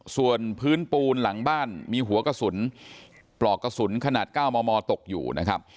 ส่วนพื้นปูนหลังบ้านมีหัวกระสุนปลอกกระสุนขนาด๙มมตกอยู่นะครับ